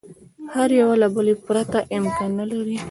هر یوه له بله پرته امکان نه لري.